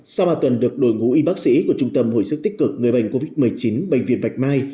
sau ba tuần được đổi ngũ y bác sĩ của trung tâm hồi sức tích cực người bệnh covid một mươi chín bệnh viện bạch mai